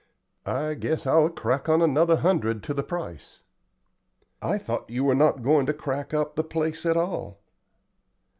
I guess I'll crack on another hundred to the price." "I thought you were not going to crack up the place at all."